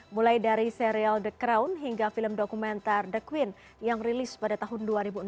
mulai dari serial the crown hingga film dokumenter the queen yang rilis pada tahun dua ribu enam belas